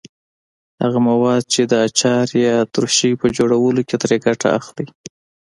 هغه مواد چې د اچار یا ترشۍ په جوړولو کې ترې ګټه اخلئ.